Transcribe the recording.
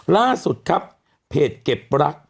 ล่าสุดครับเพจเก็บรัก